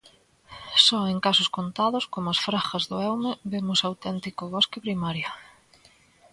Só en casos contados, como as Fragas do Eume, vemos auténtico bosque primario.